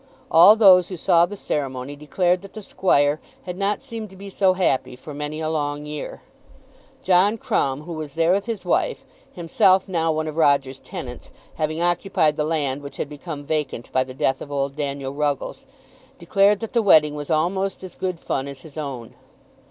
All those who saw the ceremony declared that the squire had not seemed to be so happy for many a long year. John Crumb, who was there with his wife, himself now one of Roger's tenants, having occupied the land which had become vacant by the death of old Daniel Ruggles, declared that the wedding was almost as good fun as his own.